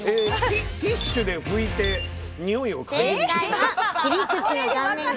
ティッシュで拭いてにおいを嗅いで。